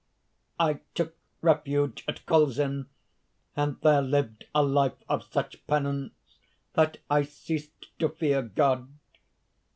"I took refuge at Colzin, and there lived a life of such penance that I ceased to fear God.